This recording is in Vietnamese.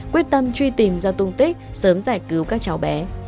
quyết tâm truy tìm ra tung tích sớm giải cứu các cháu bé